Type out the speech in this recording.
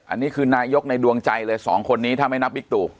อันนี้คือนายกในดวงใจเลยสองคนนี้ถ้าไม่นับบิ๊กตู่